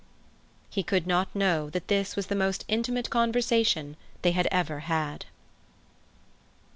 He could not know that this was the most intimate conversation they had ever had.